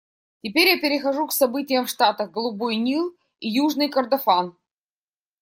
Теперь я перехожу к событиям в штатах Голубой Нил и Южный Кордофан.